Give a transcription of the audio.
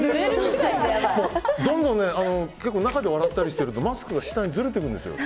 どんどん中で笑ったりしていると、マスクが下にずれてくるんですよ。